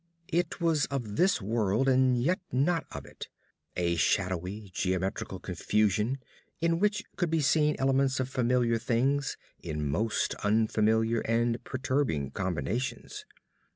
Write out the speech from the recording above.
It was of this world, and yet not of it a shadowy geometrical confusion in which could be seen elements of familiar things in most unfamiliar and perturbing combinations.